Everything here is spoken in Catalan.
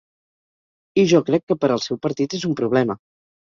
I jo crec que per al seu partit és un problema.